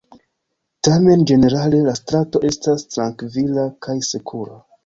Tamen ĝenerale la strato estas trankvila kaj sekura.